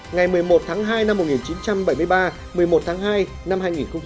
ngày một mươi một tháng hai năm một nghìn chín trăm linh